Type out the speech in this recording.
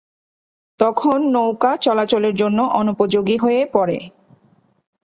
তখন নৌকা চলাচলের জন্য অনুপযোগী হয়ে পড়ে।